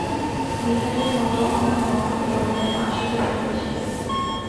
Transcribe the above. বিহারীর মতো অমন মহৎ লোক কেন আশাকে ভালোবাসিবে।